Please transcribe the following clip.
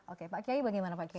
oke pak kiai bagaimana pak kiai